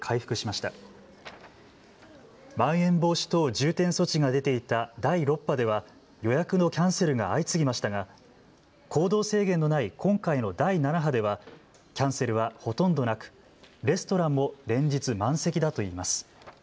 まん延防止等重点措置が出ていた第６波では予約のキャンセルが相次ぎましたが行動制限のない今回の第７波ではキャンセルはほとんどなくレストランも連日満席だといいます。